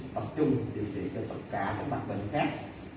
tập trung điều trị cho tất cả các bệnh khác